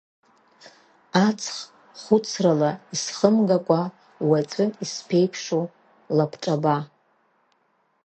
Аҵх хәыцрала исхымгакәа, уаҵәы исԥеиԥшу, лабҿаба.